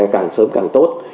càng sớm càng tốt